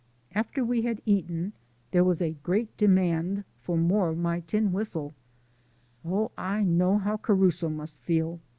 After we had eaten, there was a great demand for more of my tin whistle (oh, I know how Caruso must feel!)